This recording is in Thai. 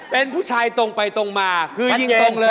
เป็นผู้ชายตรงไปตรงมาคือยิงตรงเลย